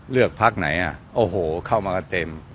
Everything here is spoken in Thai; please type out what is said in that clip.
เลือกพักไหนอ่ะโอ้โหเข้ามากันเต็ม